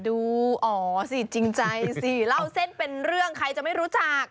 ดูอ๋อสิจริงใจสิเล่าเส้นเป็นเรื่องใครจะไม่รู้จัก